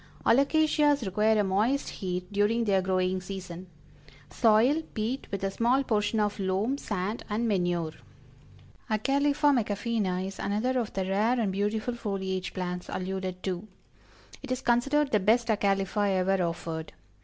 Alocasias require a moist heat during their growing season. Soil, peat, with a small portion of loam, sand and manure. Acalypha Macafeeana is another of the rare and beautiful foliage plants alluded to. It is considered the best Acalypha ever offered.